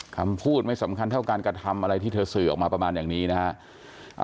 คำพูดไม่สำคัญเท่าการกระทำอะไรที่เธอสื่อออกมาประมาณอย่างนี้นะฮะ